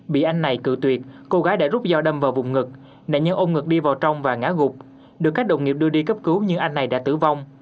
bị anh này cự tuyệt cô gái đã rút dao đâm vào vùng ngực nạn nhân ông ngực đi vào trong và ngã gục được các đồng nghiệp đưa đi cấp cứu nhưng anh này đã tử vong